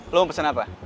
lo mau pesen apa